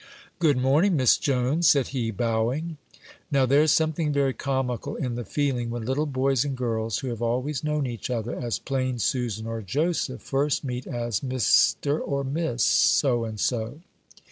"Good morning, Miss Jones," said he, bowing. Now, there is something very comical in the feeling, when little boys and girls, who have always known each other as plain Susan or Joseph, first meet as "Mr." or "Miss" So and so.